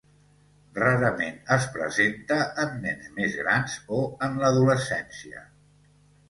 Rarament es presenta en nens més grans o en l’adolescència.